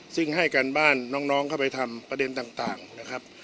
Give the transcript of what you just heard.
ซึ่งให้การบ้านน้องเข้าไปทำประเด็นต่างนะครับ